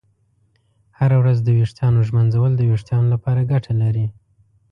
هره ورځ د ویښتانو ږمنځول د ویښتانو لپاره ګټه لري.